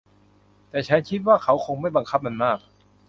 แต่ฉันคิดว่าเขาคงไม่บังคับมันมาก